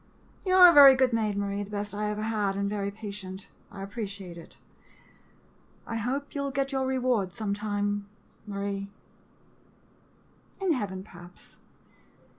You 're a very good maid, Marie — the best I ever had, and very patient. I appreciate it. I hope you '11 get your reward sometime — Marie — in heaven, perhaps.